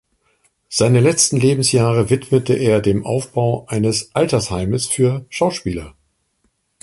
Seine letzten Lebensjahre widmete er dem Aufbau eines Altersheimes für Schauspieler.